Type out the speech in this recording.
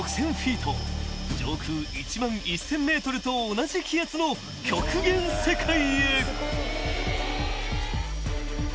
［上空１万１，０００ｍと同じ気圧の極限世界へ］